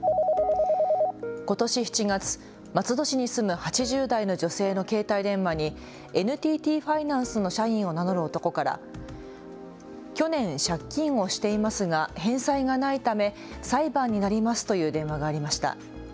ことし７月、松戸市に住む８０代の女性の携帯電話にＮＴＴファイナンスの社員を名乗る男から去年、借金をしていますが返済がないため裁判になりますという電話がありました。